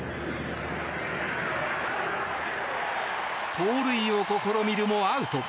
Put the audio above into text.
盗塁を試みるも、アウト。